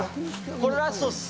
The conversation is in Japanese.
これラストです。